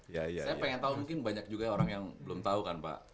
saya pengen tahu mungkin banyak juga orang yang belum tahu kan pak